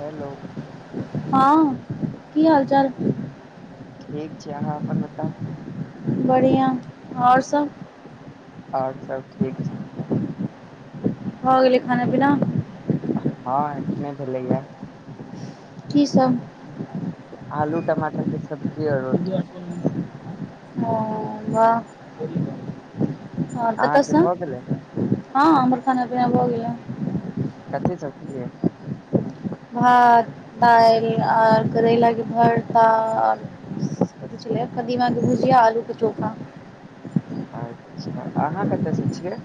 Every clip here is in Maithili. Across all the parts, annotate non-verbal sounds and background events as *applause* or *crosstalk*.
हैलो हँ की हाल चाल? ठीक छैय अहाँ अपन बताउ। बढ़ियां और सब और सब ठीक छैय। भ गेलै खाना पीना? हँ एखने भेलैया। की सब? आलू टमाटर के सब्जी और रोटी। ओ वाह आ अहाँके कतयसँ? भऽ गेलै हँ हमर खाना पिना भ गेलै। कथी सब खेलियै? भात दाल आर करैला के भरता आ कदीमा के भुजिया आलू के चोखा। अच्छा अहाँ कतयसँ छियै?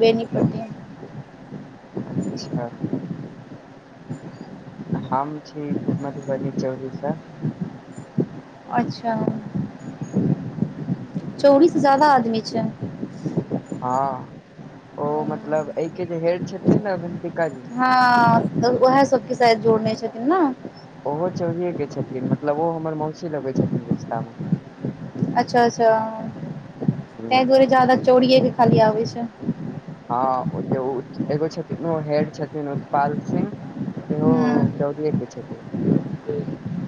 बेनीपट्टी। अच्छा हम छी मधुबनी चौरी स। अच्छा हूँ चौरी से जा्यदा आदमी छैय। हँ ओ मतलब एहि के जे हेड छथिन ने रन्तिका जी हँ तऽ ओएह सबके सााथ जोड़ने छथिन ने। ओहो चौरीयेके छथिन मतलब ओ हमर मौसी लगै छथिन रिश्ता मे। अच्छा अच्छा हम्म, तै दुरे जादा चोरीए खाली आबे छैय। हँ ओ जे एगो छथिन ओ हेड छथिन उत्पपाल सिंह। सेहो चौरहे के छथिन।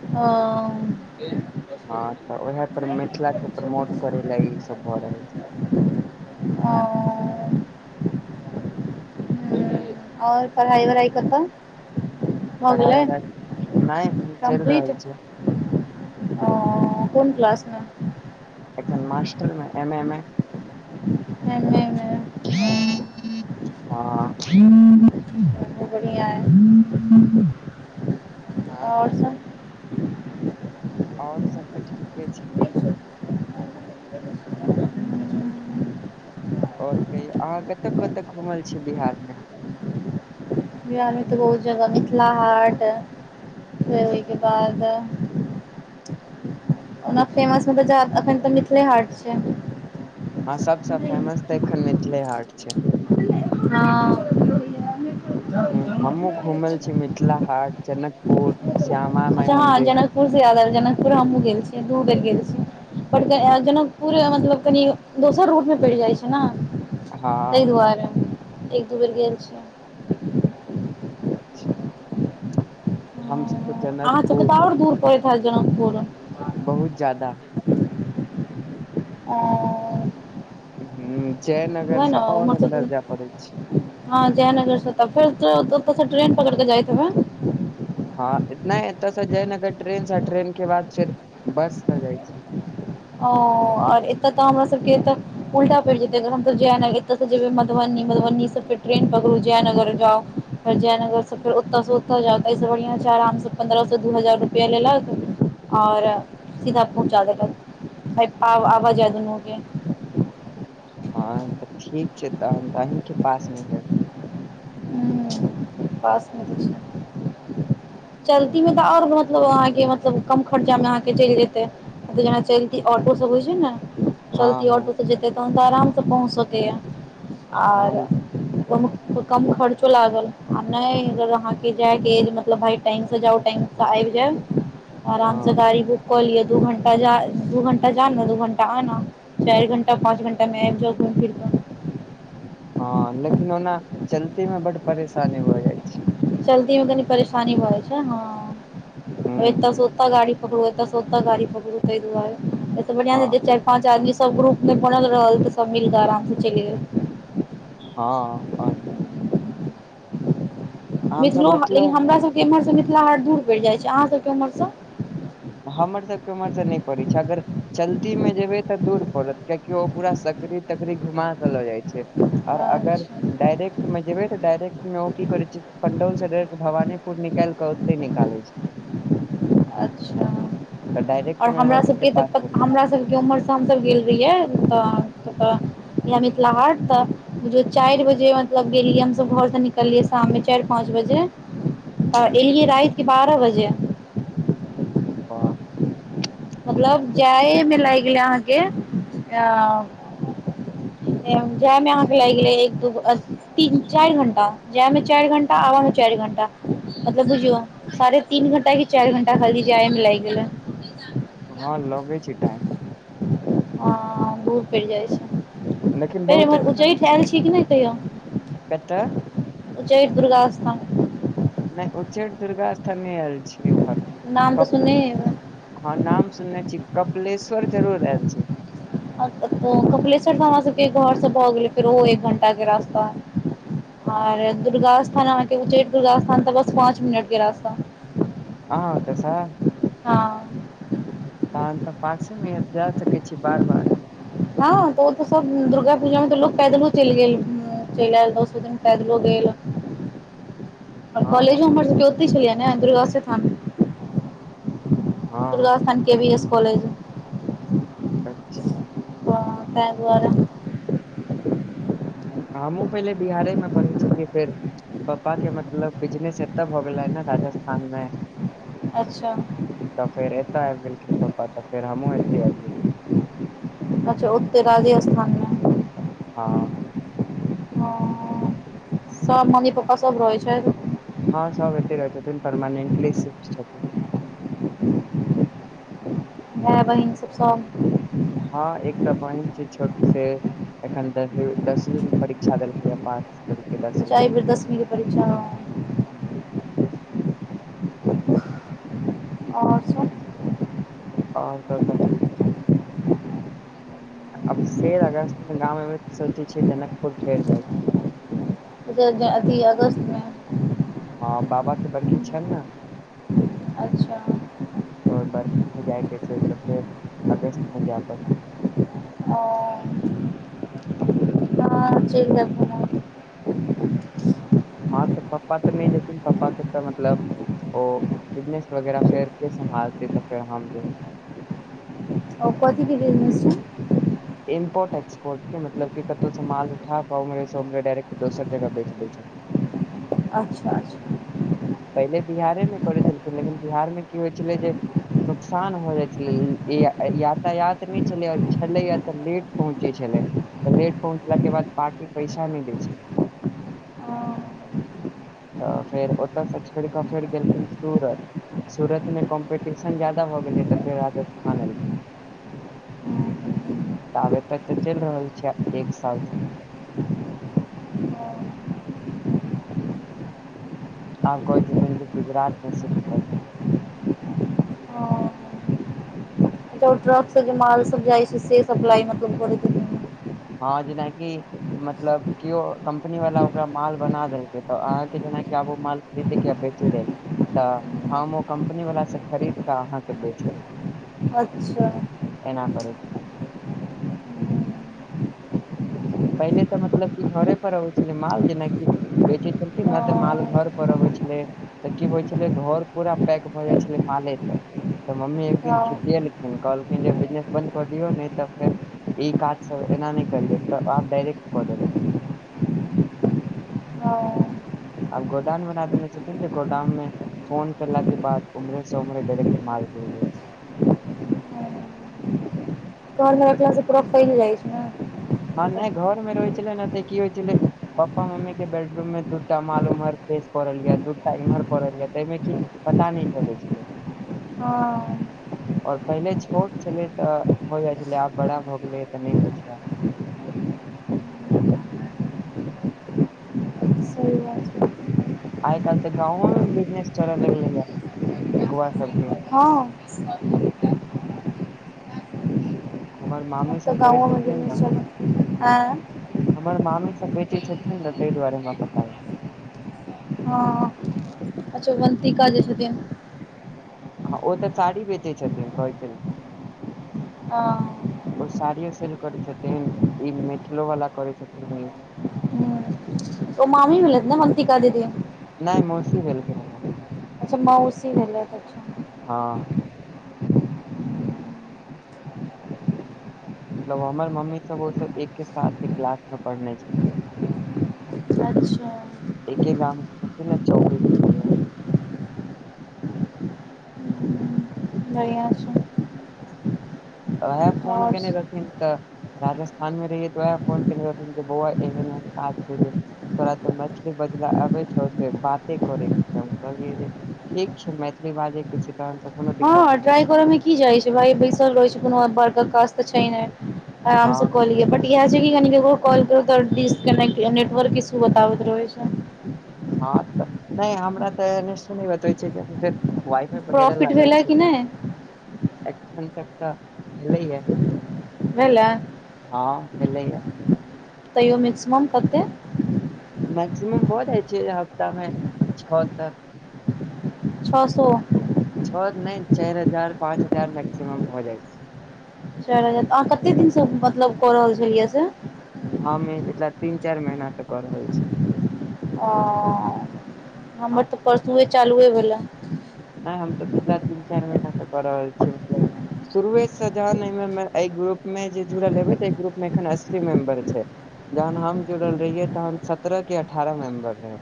ओ हँ तऽ उएह पर मिथिलाके प्रमोट करय ल ईसभ भऽ रहल छैय। ओ हू आओर पढ़ाई वढ़ाइ कतऽ? भऽ पढ़ाइ गेलै वढ़ाइ नहि एखन चलि रहल छैय। ओ कोन क्लास मे? एखन मास्टर मे एम ए में। एम ए में। ह *unintelligible* *unintelligible* हँ आओर सब। *unintelligible* आओर सब तऽ ठीके छैय। हम्म, आओर कहियौ अहाँ कत कतऽ घुमल छी बिहार मे? बिहारमे तऽ बहुत जगह मिथिला हाट फेर ओहिके बाद ओना फेमस मतलब जा अखन तऽ मिथिले हाट छै हँ सबसँ फेमस तऽ एखन मिथिले हाट छै हँ हूंम्म हमहुँ घुमैल छी मिथिला हाट जनकपुर श्यामा म *unintelligible* अच्छा हँ जनकपुर से याद आएल जनकपुर हमहुँ गेल छी दू बेर गेल छी बट जनकपुर मतलब कनि दोसर रूट मे पड़ि जाइ छै ने ताहि हँ दुआरे एक दू बेर गेल छी अच्छा हमसभ तऽ जन अहाँ सब के तऽ आओर दूर परैत हेत जनकपुर बहुत जादा हूंम्म जयनगर वएह से ने और उम्हर अन्दर से जाय पड़े छै हँ जयनगर से तऽ फेरतऽ ट्रेन पकड़ि के जाइत हेबै हँ नहि एतय से जय नगर ट्रेन से ट्रेन के बाद फेर बस से जाइ छी ओ आओर एतय तऽ हमरा सबके एतऽ उल्टा पड़ि जेतै हमसभ जेय *unintelligible* ओतऽ सँ जेबै मधुबनी मधुबनी सँ फेर ट्रेन पकड़ू जयनगर जाउ फेर जयनगर सँ फेर ओतय सँ चलि जाउ तऽ एहिसँ बढ़िआँ छै आराम सँ पन्द्रह सँ दू हजार रुपैआ लेलक आओर सीधा पहुँचा देलक *unintelligible* आवा जाय दुनू के हँ तऽ ठीक छै तऽ हम तऽ अहींके पासमे जायब हूंम्म पासमे *unintelligible* चलती आओर मतलब अहाँ के मतलब कम खर्चा मे अहाँ के चलि जेतै जेना चलती ऑटो सब होइ छै ने हँ चलती हँ ऑटो से जेतै तहन तऽ आराम से पहुँच सकैए आओर हँ जनक *unintelligible* तऽ कम खर लागल आ नहि अगर अहाँके जायके अए मतलब भाई टाइम से जाउ टाइम से आबि जायब आराम सँ हँ गाड़ी बुक कऽ लिय दू घंटा त *unintelligible* जा दू घण्टा जाना दू घण्टा आना चारि घण्टा पाँच घण्टामे आबि जाउ घुम फिर क हँ लेकिन ओना चलतीे मे बड्ड परेशानी भऽ जाइ छै चलती मे कनी परेशानी भऽ जाइ छै हँ एत ह से ओतऽ गाड़ी पकरु एतऽ से ओतऽ गाड़ी पकरू तै दुआरे अइसे बढ़ियाँ छै हँ जे चारि पाँच आदमी सब ग्रुप मे बनल रहल तऽ सब मिलके आराम से चलि गेल हँ आओर की हम सब मिथिलो लेकिन हमर सभके इम्हरसँ मिथिला हाट दूर पड़ि जाइत छै अहाँ सभके एम्हरसँ हमर सभके ओम्हर सभ नहि पड़ै छै अगर चलती मे जेबै तऽ दूर पड़त कियकि ओ पूरा सकड़ी तकड़ी घुमा कऽ लऽ जाइत छै आओर अगर अच्छा डायरेक्टमे जेयबै तऽ डायरेक्टमे ओ की करैत छै पण्डौल सँ डायरेक्ट भवानीपुर निकालि कऽ ओतहि निकालै छै अच्छा तऽ डायरेक्ट आओर मे हमरा सबके सभके पास तऽ पड़ै हमरा सभके उम्हरसँ शाम क गेल रहियै तऽ *unintelligible* मिथिला हाट तऽ बुझियो चारि बजे मतलब गेलियै हमसभ घरसँ निकललियै शाम मे चारि पाँच बजे *inaudible* आ एलियै राति के बारह बजे बाह मतलब जाए मे लागि गेले अहाँके अ *inaudible* जाय मे अहाँ के लाग गेले एक दूो तीन चारि घंटा जाय मे चारि घंटा आ आब मे चारि घण्टा मतलब बुझियो साढ़े तीन घंटा के चारि घंटा खालि जाय मे लागि गेलै हँ लगै छै टाइम हँ दूर पड़ि जाइ छै लेकिन फेर बहुत एम्हर अच्छा उच्चैठ आयल छी कि नहि कहियो कतऽ उच्चैठ दुर्गास्थान। नहि उच्चैठ दुर्गास्थान नै आयल छी ओम्हर। नाम तऽ सुनने हेबै हँ, नाम सुनने छी कपिलेश्वर जरुर आयल छी त कपिलेश्वर तऽ हमरा सभके घर से भऽ गेलै फेर ओहो एक घंटा के रास्ता आर दुर्गास्थान के उच्चैठ दुर्गास्थान तऽ बस पाँच मिनट के रास्ता। अहाँ अतससँ हँ तहन तऽ पासेमे अए जा सकै छी, बार बार। हँ तऽ ओ तऽ सभ दुर्गा पूजा मे तऽ लोक पैदले चलि गेल। चलि आयल, दस दिन पैदले गेल। *inaudible* आ हँ कॉलेजो हमर सभके उतहि छलियै ने, दुर्गास्थान। हँ दुर्गास्थान के बी एस कॉलेज। अच्छा ह तै दुआरे। हमहुँ पहिले बिहारेमे पढ़ै छलियै, फेर पप्पाके मतलब बिजनेस एतऽ हो गेलै ने राजस्थानमे। अच्छा तऽ फेर एतय आबि गेलखिन पप्पा, तऽ फेर हमहुँ एते आबि गेलियै। अच्छा ओते राजस्थानमे हँ ह सभ मम्मी पप्पा सभ रहै छैथ? हँ, सभ एते रहै छथिन, परमानेंटली सिफ्ट छथिन। भाय बहिन सभ हँ एकटा बहिन छै, छोट छै एखन दसवींमे परीक्षा देलकै है, पास। अच्छा दसवींमे एहि बेर दसमी के परीक्षा आओर सभ आओर सभ तऽ ठीक छै। आब फेर अगस्तमे गाँव एबै तऽ सोचै छियै, जनकपुर फेर जायके। अथी अगस्तमे हँ, बाबा के बड़की छै ने। अच्छा तऽ बरखीमे जाइके छै, तऽ फेर अगस्तमे जाय पड़तै। ओ हू *unintelligible* हर छिज़ मे घुमो हँ तऽ पप्पा तऽ नहि जेथिन पप्पा के तऽ मतलब। ओ बिजनेस वगैरह फेर के सम्भालतै तऽ फेर हम जे। आ कथीके बिजनेस छै? इम्पोर्ट एक्सपोर्टके मतलब कतऽसँ माल उठा कऽ उमरेसँ उमरे डायरेक्ट दोसर जगह बेचि दै छथि। *inaudible* अच्छा अच्छा पहिने बिहारमे करै छलखिन, लेकिन बिहारमे की होइ छलै जे नुकसान भऽ जाइ छलै, यातायात नहि छलै आ तऽ लेट पहुँचै छलै, तऽ लेट पहुँचलाक बाद पार्टी पैसा नहि दै छलै। *inaudible* तऽ फेर ओतयसँ छोड़ि कऽ फेर गेलखिन सूरत। सूरतमे कॉम्पिटिशन बेसी भऽ गेलै, तऽ फेर राजस्थान एलखिन। तऽ आबे तक तऽ चलि रहल छै एक सालसँ *unintelligible* आब कोहै छथिन जे गुजरात मे शिफ्ट करतै टरक से जे माल सबजाइ छै से सप्लाई मतलब खरैत हेतै हँ जेनाकि मतलब केओ कम्पनी वाला ओकरा माल बना देलकै तऽ अहाँके जेनाकि आब ओ माल खरीदैके बेचइ लेल तऽ हम ओ कम्पनी वालासे खरीदकेऽ अहाँके बेच देब अच्छा एना करै छैक पहिले तऽ मतलब कि घरे पर अबै छलै माल जेनाकि बेचै छलखिन ने तऽ माल हँ घर पर अबै छलै तऽ की होइ छेलै घर पूरा पैक भऽ जाइ छलै माले से तऽ मम्मी एकदिन खिसिएलखिन कहलखिन जे बिजनेस बन्द कऽ दिऔ ने तऽ फेर ई काज सब एना नहि करियौ तऽ आब डायरेक्ट क देबै *unintelligible* हँ आब गोडाउन बना देने छथिन जे गोडाउन मे फोन केला के बाद उम्हरे से उम्हरे डायरेक्ट माल गिरबै छी घरमे रखलास पूरा फैल जाइ छै ने हँ नहि घरमे रहै छेलै ने तऽ की होइ छेलै पप्पा मम्मी के बेडरूम मे दूटा माल उम्हर खसि पड़ल यऽ दूटा इम्हर पड़ल यऽ ताहिमे की पता नहि चलै छेलै हँ आओर पहिले छोट छेलै तऽ हो जाइ छेलै आब बड़ा भऽ गेलैये तऽ नहि होइ छै आब सही बात छै आइ काल्हि त गाँवों मे बिजनेस चले लगलै ये ठेकुआ सब हँ हमर मामी तऽ सब करै गाँवो मे छथिन विजनेस ने चलय आँ हमर मामी सब बेचै छथिन ने तइ दुआरे हमरा पता य हँ अच्छा अवन्तिका जे छथिन हँ ओ तऽ साड़ी बेचैत छथिन कहै छलखिन ओ ओ साड़ियो सेल करै छथिन ई मिथिलो वाला करै छथिन ई ह ओ मामी भेलथि ने ओ अवन्तिका दीदी नइ मौसी भेलखिन हमर अच्छा मौसी भेलैथ हँ मतलब हमर मम्मीसभ ओसभ एक्के साथ क्लासमे पढ़ने छथिन अच्छा एक्के गामके सब ने चौ *unintelligible* बढ़ियाँ छै उएह फोन आओर केने रहथिन तऽ राजस्थान मे रहियै तऽ वएह फोन केने रहथिन जे बौआ एहन वहन काज छै जे तोरा तऽ मैथिली बजला आबै छौ से बाते करे के छै हम कहलियै जे ठीक छै मैथिली बाजे के छै तहन तऽ कोनो दिक्कत हँ नहि ट्राइ करऽ मे की जाइ छै भाइ बैसल रहै छै कोनो बड़का काज तऽ छै नइ हँ आरामसँ क लिय बर इएह छै कि कनि केकरो कॉल करू तऽ डिस्कनेक्ट नेटवर्क इश्यू बताबैत रहै छै हँ तऽ नइ हमरा तऽ एन इसु नइ बतबै छै कियेकि फेर वाइ फाई वगैरह प्रॉफिट लागल भेलै छै कि तऽ नहि एखन तक तऽ भेलैये भेल ये हँ भेलैये तैयो मक्सिमम कते मैक्सिमम भ जाइ छैय हफ्तामे छओ तक। छओ सौ। छौ नहि चारि हजार पाँच हजार मैक्सिमम भ जाइ छैय। चार हजार अहाँ कते दिन से मतलब कऽ रहल छलियै से? हम ई पिछला तीन चारि महीनासँ कऽ रहल छियै। ओ हमर हँ तऽ परसुए चालुए भेला। नहि हम तऽ पिछला तीन चारि महीना से कऽ रहल छियै मतलब शुरुए से जहन एहि ग्रुप मे जुड़ल हेबै तऽ एहि ग्रुप मे एखन अस्सी मेंबर छैय। जहन हम जुड़ल रहियै तहन सत्ररह की अठारह मेंबर रहै।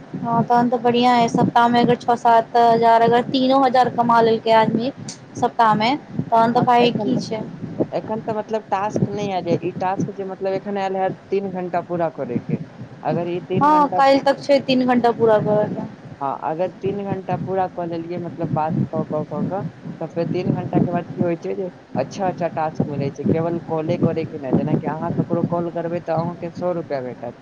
हँ तहन तऽ बढ़िया है सप्ताह में अगर छओ सात हजार अगर तीनो हजार कमा लेलकै आदमी सप्ताहमे तहन हँ तऽ भाय एखन की तऽ छै एखन तऽ मतलब टास्क नहि आय जे ई टास्क जे मतलब एखन आयल हैत तीन घंटा पूरा करयके। हँ काल्हि त छैय तीन घण्टा पूरा करऽ ला। हँ अगर तीन घंटा पूरा कऽ देलियै मतलब बात कऽ कऽ कऽ कऽ तऽ फेर तीन घंटा के बाद की होइ छैय जे अच्छा अच्छा टास्क मिलै छैय केवल कॉले करयके नही जेनाकि अहाँ ककरो कॉल करबै तऽ अहू के सौ रुपैआ भेटत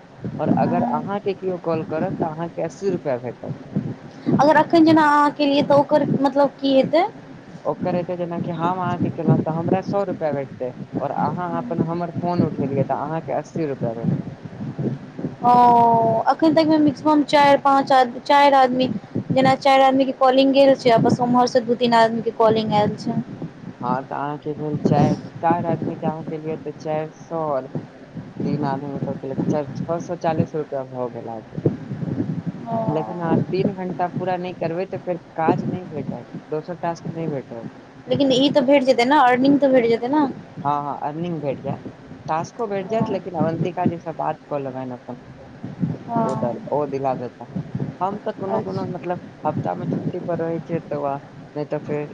अगर अहाँ हँ के केएओ कॉल करत त आहां के अस्सी रुपैया भेटत। अगर एखन जेना अहाँ केलियै तऽ ओकर मतलब की हेतै? ओकर एतै जेनाकि हम अहाँके केलहुँ तऽ हमरा सौ रुपैया भेटतै और अहाँ अपन हमर फोन उठेलियै तऽ अहाँकेँ अस्सी रुपैया भेटत। ओ अखन तक मिक्सिमम चारि पाँच चारि आदमी जेना चारि आदमी के कॉलिंग गेल छैय आ बस उम्हर से दू तीन आदमी के कॉलिंग आयल छैय। हँ तऽ अहाँके भेल चारि चारि आदमी के अहाँ केलियै तऽ चारि सौ तीन आदमी के सब छओ सौ चालीस रुपया भऽ गेल आहांके। लेकिन अहाँ ओ तीन घण्टा पूरा नहि करबै तऽ फेर काज नहि भेटत। दोसर टास्क नहि भेटत। लेकिन ई तऽ भेट जेतै ने अर्निंग तऽ भेट जेतै ने? हँ हँ अर्निंग भेट जायत। टास्को भेट जायत लेकिन अवन्तिका जी स बात कऽ लेबनि अपन। ओ द हँ ओ दिला देता। हम तऽ कोनो कोनो अच्छा मतलब हफ्ता में छुट्टी पर रहै छियै तऽ व नहि तऽ फेर